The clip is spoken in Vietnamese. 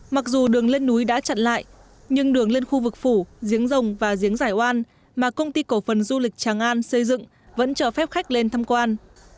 mặc dù đường lên núi đã chặn lại nhưng đường lên khu vực phủ giếng rồng và giếng giải oan mà công ty cổ phần du lịch tràng an xây dựng vẫn cho phép khách lên thăm quan